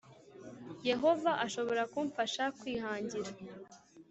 Yehova ashobora kumfasha kwihangira